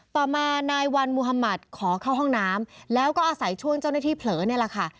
ต่อมานายวันมุธมัติขอเข้าห้องน้ำแล้วก็อาศัยช่วงเจ้าหน้าที่เผลอนี่แหละค่ะ